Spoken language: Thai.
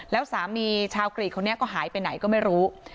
แล้วสามีชาวกรีดคนนี้ก็หายไปไหนก็ไม่รู้